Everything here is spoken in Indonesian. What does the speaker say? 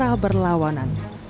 tidak ada perlawanan